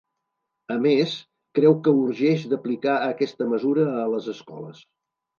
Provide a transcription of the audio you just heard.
A més, creu que urgeix d’aplicar aquesta mesura a les escoles.